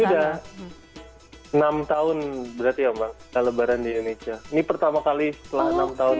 sudah enam tahun berarti ya mbak lebaran di indonesia ini pertama kali setelah enam tahun